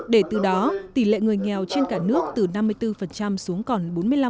để từ đó tỷ lệ người nghèo trên cả nước từ năm mươi bốn xuống còn bốn mươi năm